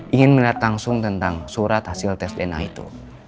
ingin melihat langsung tentang surat hasil tes dna itu